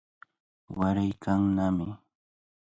Waraykannami.